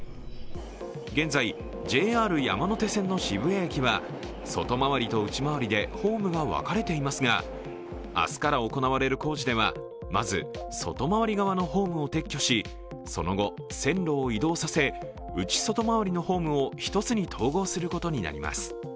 現在、ＪＲ山手線の渋谷駅は外回りと内回りでホームが分かれていますが、明日から行われる工事ではまず外回り側のホームを撤去しその後、その後、線路を移動させ内外回りのホームを１つに統合することになります。